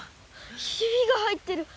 ヒビが入ってる！